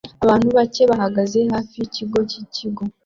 Abantu bake bahagaze hafi yikigo cyikigo